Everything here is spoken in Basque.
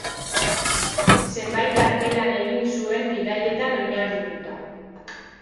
Zenbait artelan egin zuen bidaietan oinarrituta.